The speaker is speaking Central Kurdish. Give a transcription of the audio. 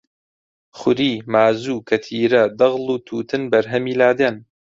خوری، مازوو، کەتیرە، دەغڵ و تووتن بەرهەمی لادێن